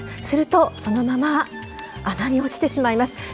すると、そのまま穴に落ちてしまいます。